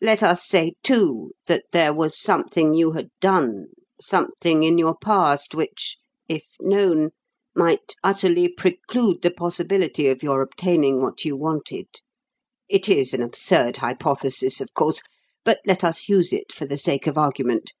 Let us say, too, that there was something you had done, something in your past which, if known, might utterly preclude the possibility of your obtaining what you wanted it is an absurd hypothesis, of course: but let us use it for the sake of argument.